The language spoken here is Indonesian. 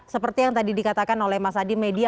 seperti yang tadi dikatakan oleh mas adi media